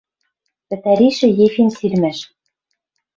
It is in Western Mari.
Пӹтӓришӹ Ефин сирмӓш